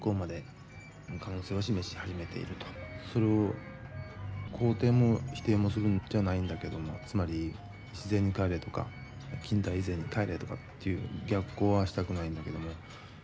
それを肯定も否定もするんじゃないんだけどもつまり自然にかえれとか近代以前にかえれとかっていう逆行はしたくないんだけども。